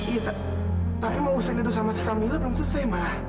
iya tapi mau usah edo sama si kamila belum selesai ma